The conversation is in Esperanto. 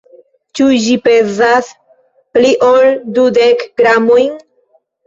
Ĉu ĝi pezas pli ol dudek gramojn?